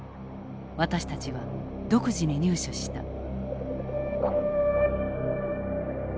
私たちは独自に入手した。